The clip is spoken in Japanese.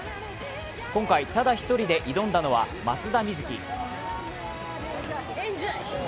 今回、ただ１人で挑んだのは松田瑞生。